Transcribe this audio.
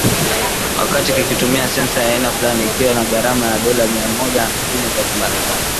wakati kikitumia sensa ya aina fulan, ikiwa na gharama ya dola mia moja hamsini za kimerekani